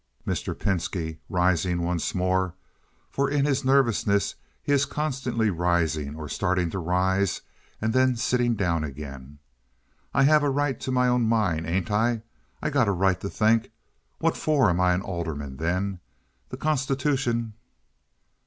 Mr. Pinski (rising once more, for in his nervousness he is constantly rising or starting to rise, and then sitting down again). "I have a right to my own mind, ain't I? I got a right to think. What for am I an alderman, then? The constitution..."